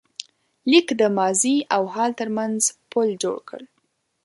لیک د ماضي او حال تر منځ پُل جوړ کړ.